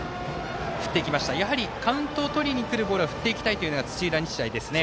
やはりカウントをとりにくるボールは振っていきたいというのが土浦日大ですね。